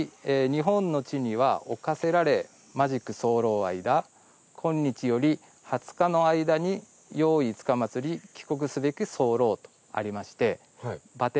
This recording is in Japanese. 日本の地には侵せられまじく候間今日より２０日の間に用意つかまつり帰国すべく候」とありまして。